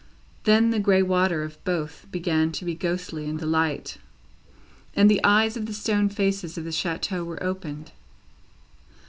Then, the grey water of both began to be ghostly in the light, and the eyes of the stone faces of the chateau were opened.